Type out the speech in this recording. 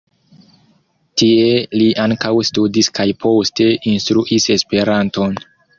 Tie li ankaŭ studis kaj poste instruis Esperanton.